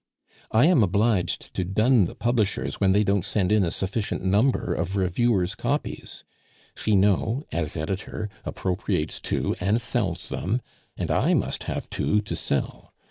"I am obliged to dun the publishers when they don't send in a sufficient number of reviewers' copies; Finot, as editor, appropriates two and sells them, and I must have two to sell.